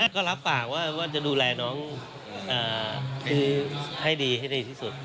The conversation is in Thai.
ก็รับปากว่าจะดูแลน้องให้ดีให้ดีที่สุด